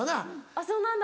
あっそうなんだ。